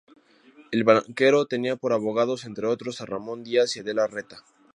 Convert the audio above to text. El banquero tenía por abogados, entre otros, a Ramón Díaz y Adela Reta.